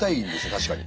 確かに。